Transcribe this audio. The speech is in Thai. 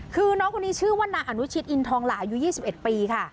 คือน้องคนนี้ชื่อว่านางอันวิชิตอินทองหล่าอายุยี่สิบเอ็ดปีค่ะ